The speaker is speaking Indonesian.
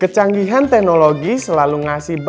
kecanggihan teknologi selalu ngasih